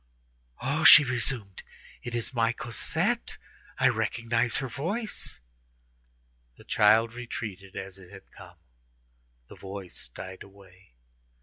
"Oh!" she resumed, "it is my Cosette! I recognize her voice." The child retreated as it had come; the voice died away.